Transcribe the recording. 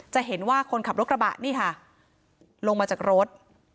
จะเห็นว่าคนขับรถกระบะนี่ค่ะลงมาจากรถ